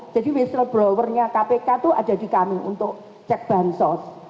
jadi whistleblower nya kpk itu ada di kami untuk cek bansos